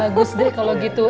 bagus deh kalau gitu